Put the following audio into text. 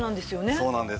そうなんです。